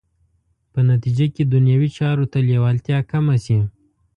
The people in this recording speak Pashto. په نتیجه کې دنیوي چارو ته لېوالتیا کمه شي.